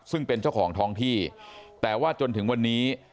ซึ่งเป็นเจ้าของท้องที่แต่ว่าจนถึงวันนี้